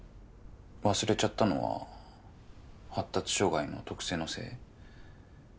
忘れちゃったのは発達障害の特性のせい？